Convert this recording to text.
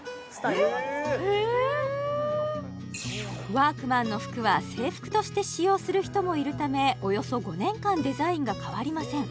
ワークマンの服は制服として使用する人もいるためおよそ５年間デザインが変わりません